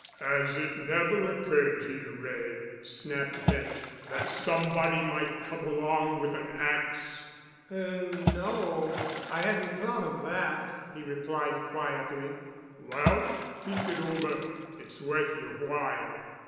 "Has it never occurred to you, Wray," snapped Bent, "that somebody might come along with an axe?" "Er—no. I hadn't thought of that," he replied quietly. "Well, think it over. It's worth your while."